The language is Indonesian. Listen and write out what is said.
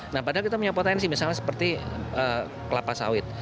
nah padahal kita menyepotensi misalnya seperti kelapa sawit